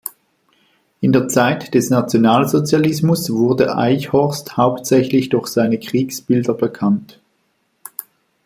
In der Zeit des Nationalsozialismus wurde Eichhorst hauptsächlich durch seine Kriegsbilder bekannt.